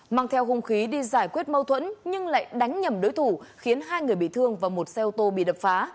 mang theo hung khí đi giải quyết mâu thuẫn nhưng lại đánh nhầm đối thủ khiến hai người bị thương và một xe ô tô bị đập phá